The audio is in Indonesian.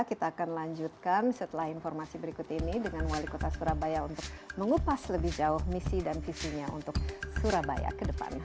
kita akan lanjutkan setelah informasi berikut ini dengan wali kota surabaya untuk mengupas lebih jauh misi dan visinya untuk surabaya ke depan